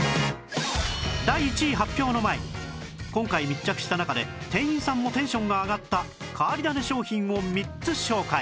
第１位発表の前に今回密着した中で店員さんもテンションが上がった変わり種商品を３つ紹介